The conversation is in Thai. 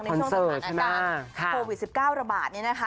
ในช่วงสมัยหน้าโควิด๑๙ระบาดเนี่ยนะคะ